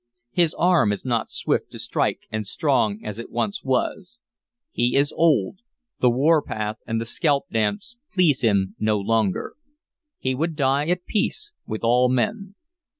His arm is not swift to strike and strong as it once was. He is old; the warpath and the scalp dance please him no longer. He would die at peace with all men.